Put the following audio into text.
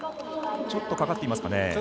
ちょっとかかっていますかね。